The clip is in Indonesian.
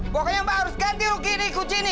pokoknya mbak harus ganti rugi ini kuci ini